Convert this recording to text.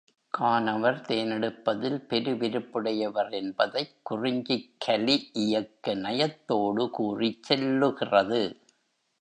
கானவர் தேனெடுப்பதில் பெரு விருப்புடையவர் என்பதைக் குறிஞ்சிக் கலி இலக்கிய நயத்தோடு கூறிச் செல்லுகிறது.